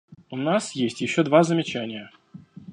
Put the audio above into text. У нас есть еще два замечания.